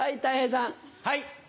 はい。